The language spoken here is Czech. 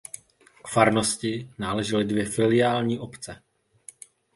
K farnosti náležely dvě filiální obce.